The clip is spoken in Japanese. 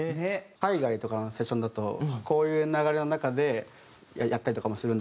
海外とかのセッションだとこういう流れの中でやったりとかもするんですけど。